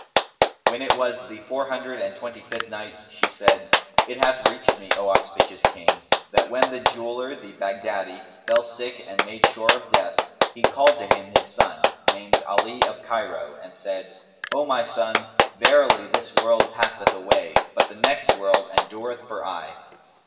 When it was the Four Hundred and Twenty fifth Night, She said, it hath reached me, O auspicious King, that when the Jeweller, the Baghdadi, fell sick and made sure of death, he called to him his son, named Ali of Cairo, and said, "O my son, verily this world passeth away; but the next world endureth for aye.